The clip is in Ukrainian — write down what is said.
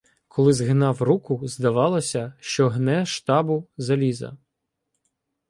Коли згинав руку, здавалося, що гне штабу заліза.